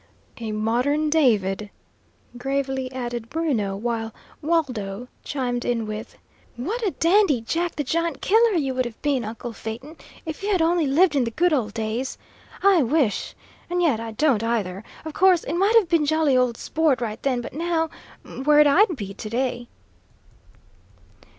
"A modern David," gravely added Bruno, while Waldo chimed in with: "What a dandy Jack the Giant killer you would have been, uncle Phaeton, if you had only lived in the good old days! I wish and yet I don't, either! Of course, it might have been jolly old sport right then, but now, where'd I be, to day?"